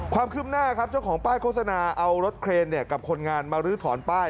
ความคืบหน้าครับเจ้าของป้ายโฆษณาเอารถเครนกับคนงานมาลื้อถอนป้าย